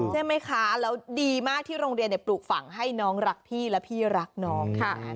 ใช่ไหมคะแล้วดีมากที่โรงเรียนปลูกฝังให้น้องรักพี่และพี่รักน้องค่ะ